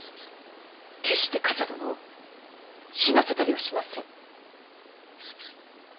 決して冠者殿を死なせたりはしません。